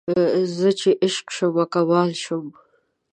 زه چې عشق شومه کمال شوم